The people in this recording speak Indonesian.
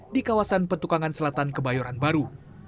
di kawasan petukangan selatan kebayoran baru